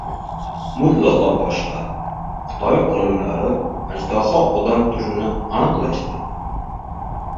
Mutlaqo boshqa: Xitoy olimlari "ajdaho-odam" turini aniqlashdi